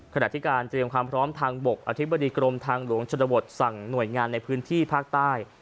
ขณะที่การเตรียมความพร้อมทางบกอธิบดีกรมทางหลวงชนบทสั่งหน่วยงานในพื้นที่ภาคใต้